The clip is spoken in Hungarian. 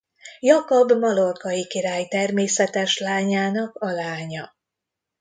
Jakab mallorcai király természetes lányának a lánya.